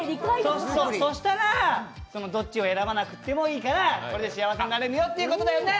そしたらどっちを選ばなくてもいいからこれで幸せになれるってことだよね？